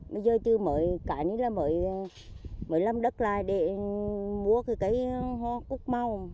bây giờ chưa mở cả này là mở làm đất lại để mua cái hoa cúc mau